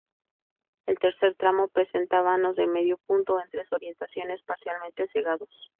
El tercer tramo presenta vanos de medio punto en tres orientaciones, parcialmente cegados.